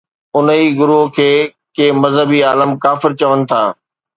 انهيءَ ئي گروهه کي ڪي مذهبي عالم ڪافر چون ٿا